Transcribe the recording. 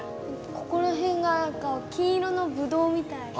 ここら辺が金色のブドウみたい。